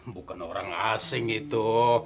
bukan orang asing itu